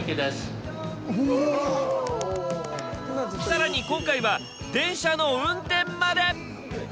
更に今回は電車の運転まで！